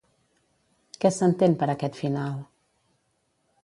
Què s'entén per aquest final?